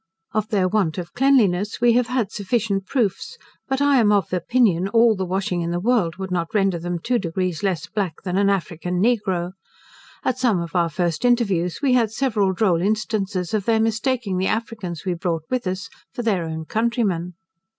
Of their want of cleanliness we have had sufficient proofs, but I am of opinion, all the washing in the world would not render them two degrees less black than an African negro. At some of our first interviews, we had several droll instances of their mistaking the Africans we brought with us for their own countrymen.